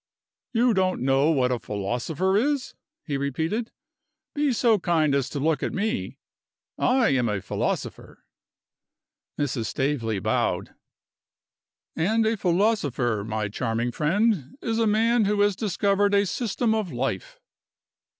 "You don't know what a philosopher is!" he repeated. "Be so kind as to look at me. I am a philosopher." Mrs. Staveley bowed. "And a philosopher, my charming friend, is a man who has discovered a system of life.